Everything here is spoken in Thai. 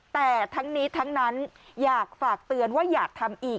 แต่ทั้งนี้ทั้งนั้นอยากฝากเตือนว่าอยากทำอีก